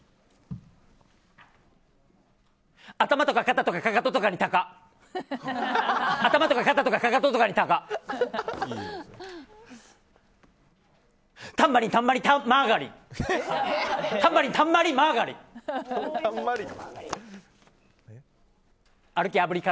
頭と肩とか、かかととかにタカ。